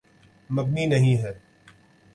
مبنی نہیں ہے۔